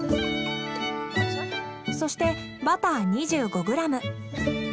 そしてバター２５ｇ。